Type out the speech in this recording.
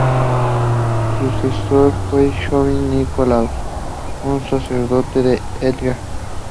Su sucesor fue Jacobi Nicolaus, un sacerdote de Eger.